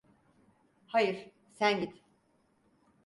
Hayır, sen git.